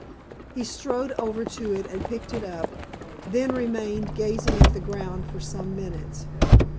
He strode over to it and picked it up, then remained gazing at the ground for some minutes.